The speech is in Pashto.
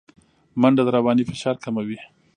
منډه د رواني فشار کموي